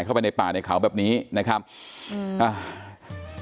คือแม่มาทราบว่าพี่สาวเนี่ยครับหายตัวไปตอนกี่โมงครับ